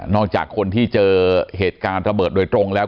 จากคนที่เจอเหตุการณ์ระเบิดโดยตรงแล้ว